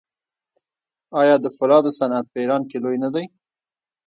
آیا د فولادو صنعت په ایران کې لوی نه دی؟